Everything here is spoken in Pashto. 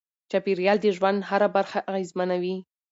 چاپیریال د ژوند هره برخه اغېزمنوي.